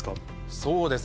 そうですね